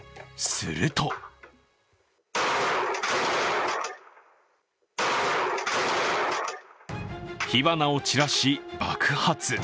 すると火花を散らし、爆発。